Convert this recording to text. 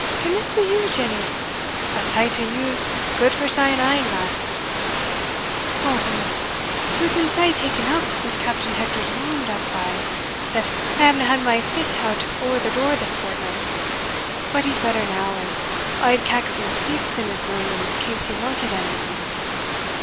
can this be you, Jenny? a sight o' you's gude for sair een, lass." "O woman, we've been sae ta'en up wi' Captain Hector's wound up by, that I havena had my fit out ower the door this fortnight; but he's better now, and auld Caxon sleeps in his room in case he wanted onything.